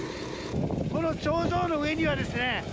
この頂上の上にはですね